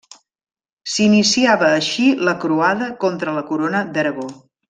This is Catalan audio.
S'iniciava així la croada contra la corona d'Aragó.